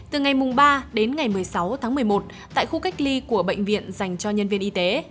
từ ngày ba đến ngày một mươi sáu tháng một mươi một tại khu cách ly của bệnh viện dành cho nhân viên y tế